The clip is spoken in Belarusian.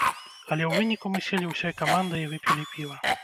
Але ў выніку мы селі ўсёй камандай і выпілі піва.